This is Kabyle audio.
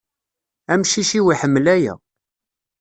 Amcic-iw iḥemmel aya.